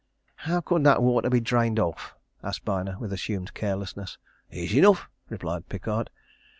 "How could that water be drained off?" asked Byner with assumed carelessness. "Easy enough!" replied Pickard.